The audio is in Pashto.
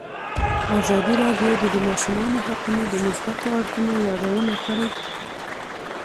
ازادي راډیو د د ماشومانو حقونه د مثبتو اړخونو یادونه کړې.